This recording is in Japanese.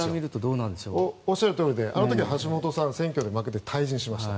おっしゃるとおりであの時も橋本さん、選挙で負けて退陣しました。